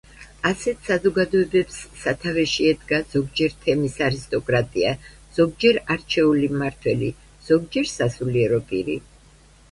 ასეთ საზოგადოებებს სათავეში ედგა ზოგჯერ თემის არისტოკრატია, ზოგჯერ არჩეული მმართველი, ზოგჯერ სასულიერო პირი.